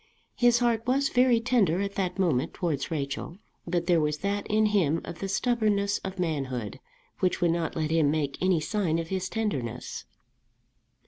His heart was very tender at that moment towards Rachel, but there was that in him of the stubbornness of manhood which would not let him make any sign of his tenderness.